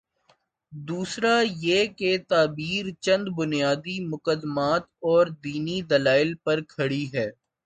دوسرا یہ کہ یہ تعبیر چند بنیادی مقدمات اوردینی دلائل پر کھڑی ہے۔